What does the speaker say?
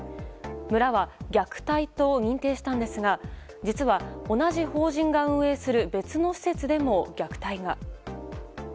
村は虐待と認定したんですが実は、同じ法人が運営する別の施設でも虐待が。